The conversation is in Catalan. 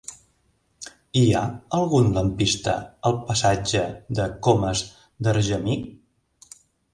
Hi ha algun lampista al passatge de Comas d'Argemí?